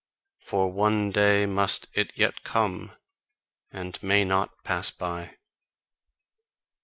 For one day must it yet come, and may not pass by.